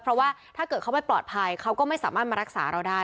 เพราะว่าถ้าเกิดเขาไม่ปลอดภัยเขาก็ไม่สามารถมารักษาเราได้